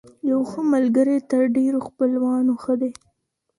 يو ښه ملګری تر ډېرو خپلوانو ښه دی.